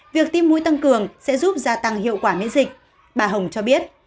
việc tim mũi tăng cường sẽ giúp gia tăng hiệu quả miễn dịch bà hồng cho biết